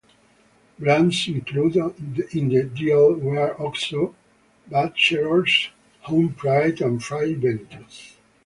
Brands included in the deal were Oxo, Batchelors, Homepride and Fray Bentos.